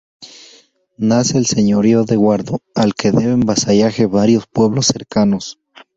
Nace el Señorío de Guardo, al que deben vasallaje varios pueblos cercanos.